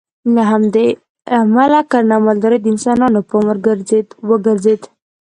له همدې امله کرنه او مالداري د انسانانو پام وګرځېد